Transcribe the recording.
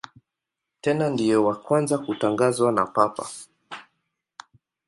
Tena ndiye wa kwanza kutangazwa na Papa.